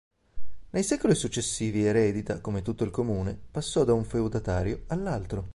Nei secoli successivi Eredita, come tutto il comune, passò da un feudatario all'altro.